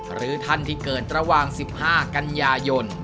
หรือท่านที่เกิดระหว่าง๑๕กันยายน